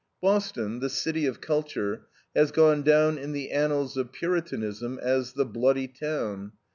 Boston, the city of culture, has gone down in the annals of Puritanism as the "Bloody Town."